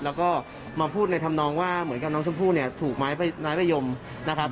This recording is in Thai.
แล้วก็มาพูดในธรรมนองว่าเหมือนกับน้องชมพู่เนี่ยถูกไม้ประยมนะครับ